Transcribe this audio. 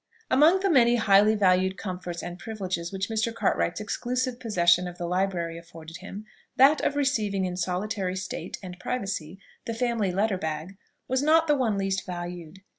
Among the many highly valued comforts and privileges which Mr. Cartwright's exclusive possession of the library afforded him, that of receiving in solitary state and privacy, the family letter bag, was not the one least valued.